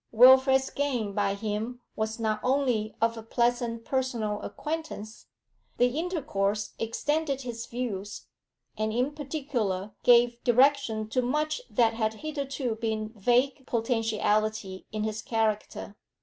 Wilfrid's gain by him was not only of a pleasant personal acquaintance; the intercourse extended his views, and in particular gave direction to much that had hitherto been vague potentiality in his character.